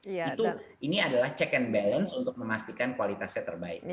itu ini adalah check and balance untuk memastikan kualitasnya terbaik